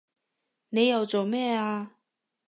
你又做咩啊